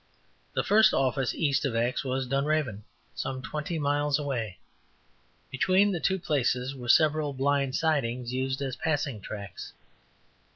The first office east of X was Dunraven, some twenty miles away. Between the two places were several blind sidings used as passing tracks.